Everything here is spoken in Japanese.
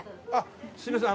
すいません